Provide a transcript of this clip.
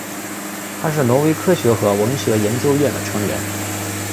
他是挪威科学和文学研究院的成员。